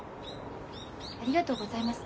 ありがとうございます。